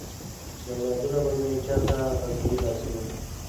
چې اولادونه به مې چاته غزوي لاسونه ؟